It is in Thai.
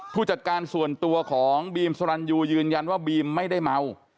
ผู้จัดการส่วนตัวของบีมสรรยูยืนยันว่าบีมไม่ได้เมา